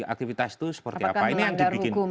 aktivitas itu seperti apa apakah melanggar hukum